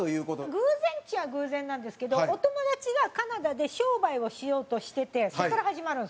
偶然っちゃあ偶然なんですけどお友達がカナダで商売をしようとしててそこから始まるんですよ。